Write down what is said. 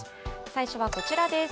最初はこちらです。